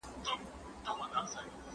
زه له سهاره مړۍ خورم؟!